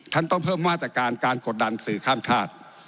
ท่านต้องเพิ่มมาตรการการกดดันสื่อข้ามชาติ